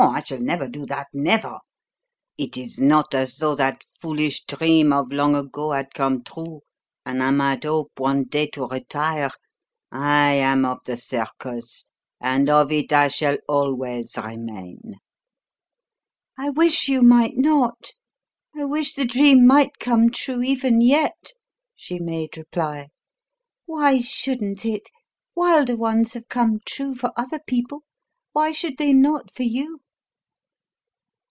I shall never do that never. It is not as though that foolish dream of long ago had come true, and I might hope one day to retire. I am of the circus, and of it I shall always remain." "I wish you might not; I wish the dream might come true, even yet," she made reply. "Why shouldn't it? Wilder ones have come true for other people; why should they not for you?"